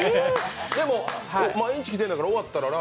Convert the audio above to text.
でも毎日来てるんだから終わったらね。